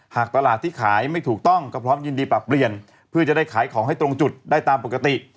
หากตลาดที่ขายไม่ถูกต้องก็พร้อมยินดีปรับเปลี่ยนเพื่อจะได้ขายของให้ตรงจุดได้ตามปกติ